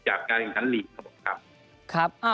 การแขั้นหลีกครับผม